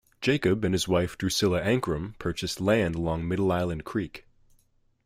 Jacob and his wife Druscilla Ankrom purchased land along Middle Island Creek.